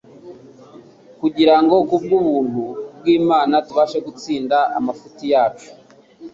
kugira ngo kubw'ubuntu bw'Imana tubashe gutsinda amafuti yacu.